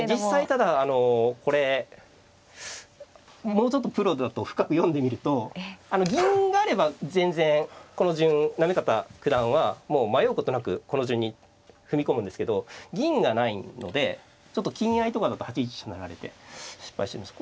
ただあのこれもうちょっとプロだと深く読んでみると銀があれば全然この順行方九段はもう迷うことなくこの順に踏み込むんですけど銀がないのでちょっと金合いとかだと８一飛車成られて失敗します。